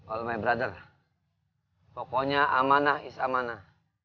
all my brother pokoknya amanah is amanah